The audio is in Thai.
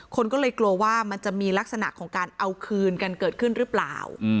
คนก็เลยกลัวว่ามันจะมีลักษณะของการเอาคืนกันเกิดขึ้นหรือเปล่า